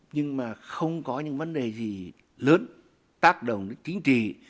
nhưng mà không có những vấn đề gì lớn tác động đến chính trị